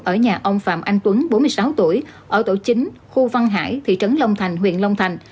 ở nhà ông phạm anh tuấn bốn mươi sáu tuổi ở tổ chính khu văn hải thị trấn long thành huyện long thành